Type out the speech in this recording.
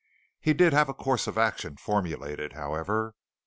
He did have a course of action formulated, however.